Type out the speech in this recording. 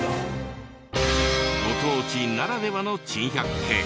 ご当地ならではの珍百景。